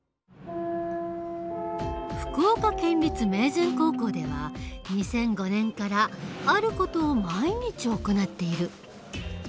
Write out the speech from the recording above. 福岡県立明善高校では２００５年からある事を毎日行っている。